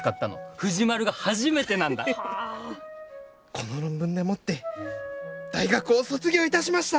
この論文でもって大学を卒業いたしました！